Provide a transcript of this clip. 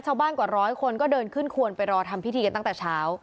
กว่าร้อยคนก็เดินขึ้นควนไปรอทำพิธีกันตั้งแต่เช้า